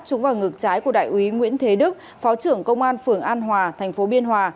trúng vào ngực trái của đại úy nguyễn thế đức phó trưởng công an phường an hòa thành phố biên hòa